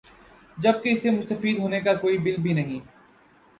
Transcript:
جبکہ اس سے مستفید ہونے کا کوئی بل بھی نہیں